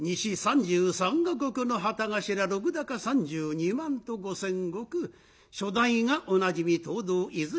西３３国の旗頭禄高３２万と５，０００石初代がおなじみ藤堂和泉